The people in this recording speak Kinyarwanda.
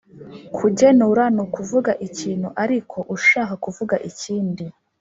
Kugenura ni ukuvuga ikintu ariko ushaka kuvuga ikindi